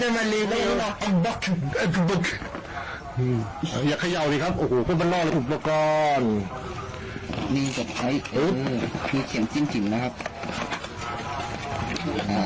มีเกี่ยวกับไอเซอร์มีเขียนจิ้มนะครับ